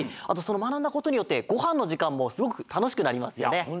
あとそのまなんだことによってごはんのじかんもすごくたのしくなりますよね。